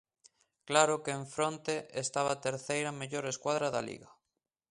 Claro que en fronte estaba a terceira mellor escuadra da liga.